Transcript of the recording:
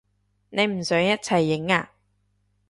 你唔想一齊影啊？